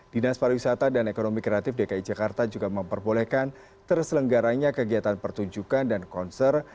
dinas pariwisata dan ekonomi kreatif dki jakarta juga memperbolehkan terselenggaranya kegiatan pertunjukan dan konser